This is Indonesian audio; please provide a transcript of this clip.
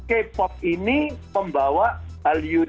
dan k pop ini membawa hal ini kalau saya lihat itu emosional